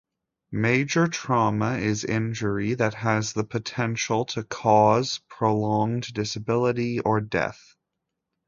Major trauma is injury that has the potential to cause prolonged disability or death.